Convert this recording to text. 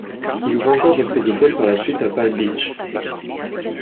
Il ouvre encore d'autres hôtels par la suite à Palm Beach.